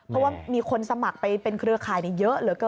เพราะว่ามีคนสมัครไปเป็นเครือคลายนะเยอะหรือ